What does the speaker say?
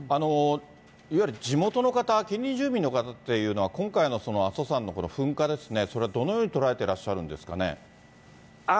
いわゆる地元の方、近隣住民の方というのは、今回の阿蘇山の噴火ですね、それをどのように捉えていらっしゃるんですかね。